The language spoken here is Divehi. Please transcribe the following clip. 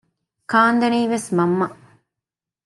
ކާންދެނީވެސް މަންމަ